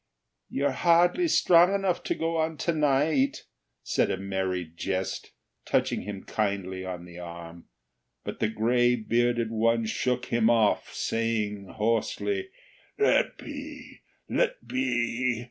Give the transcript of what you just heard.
"You're hardly strong enough to go on to night," said a Merry Jest, touching him kindly on the arm; but the gray bearded one shook him off, saying hoarsely: "Let be! Let be!